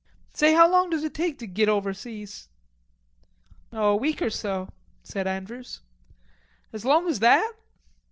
"Say, how long does it take to git overseas?" "Oh, a week or two," said Andrews. "As long as that?"